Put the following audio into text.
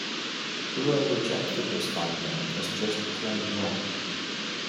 Bua rejected this finding as just plain wrong.